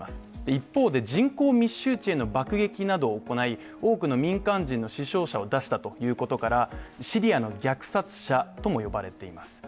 一方で、人口密集地への爆撃などを行い多くの民間人の死傷者を出したことからシリアの虐殺者とも呼ばれています。